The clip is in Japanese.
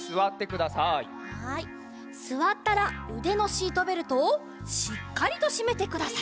すわったらうでのシートベルトをしっかりとしめてください。